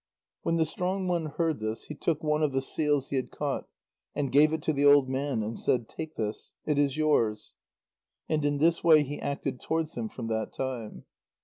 When the strong one heard this, he took one of the seals he had caught, and gave it to the old man, and said: "Take this; it is yours." And in this way he acted towards him from that time.